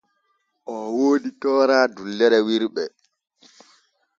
O woodi toora dullere wirɓe.